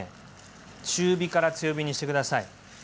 中火から強火にして下さい。